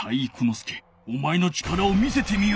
介おまえの力を見せてみよ！